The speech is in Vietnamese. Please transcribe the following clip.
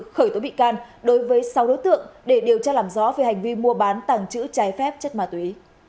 khởi tố bị can đối với sáu đối tượng để điều tra làm rõ về hành vi mua bán tàng trữ trái phép chất ma túy